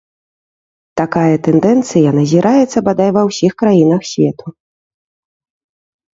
Такая тэндэнцыя назіраецца бадай ва ўсіх краінах свету.